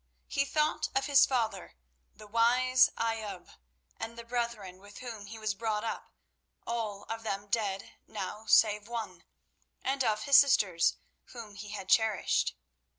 He thought of his father, the wise Ayoub, and the brethren with whom he was brought up, all of them dead now save one; and of his sisters, whom he had cherished.